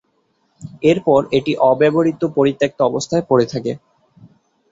এরপর এটি অব্যবহৃত, পরিত্যাক্ত অবস্থায় পরে থাকে।